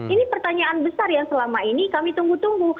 ini pertanyaan besar yang selama ini kami tunggu tunggu